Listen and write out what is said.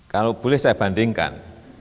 kalau boleh saya bandingkan